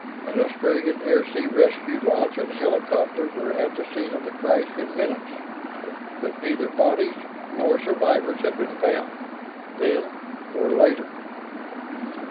An Australian air sea rescue launch and helicopter were at the scene of the crash in minutes, but neither bodies nor survivors had been found, then or later....